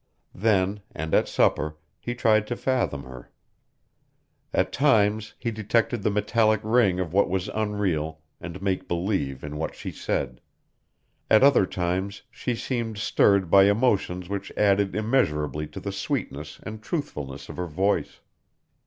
Then, and at supper, he tried to fathom her. At times he detected the metallic ring of what was unreal and make believe in what she said; at other times she seemed stirred by emotions which added immeasurably to the sweetness and truthfulness of her voice.